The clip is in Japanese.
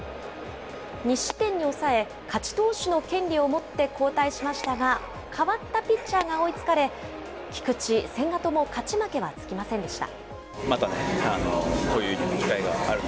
２失点に抑え、勝ち投手の権利を持って交代しましたが、代わったピッチャーが追いつかれ、菊池、千賀とも勝ち負けはつきませんでした。